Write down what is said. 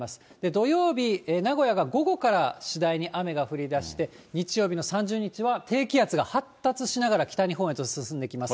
土曜日、名古屋が午後から次第に雨が降りだして、日曜日の３０日は、低気圧が発達しながら北日本へと進んできます。